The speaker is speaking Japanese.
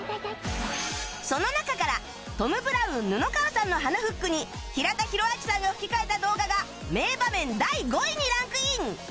その中からトム・ブラウン布川さんの鼻フックに平田広明さんが吹き替えた動画が名場面第５位にランクイン！